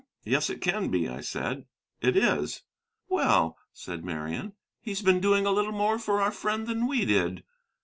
"Yes, it can be," I said; "it is." "Well," said Marian, "he's been doing a little more for our friend than we did."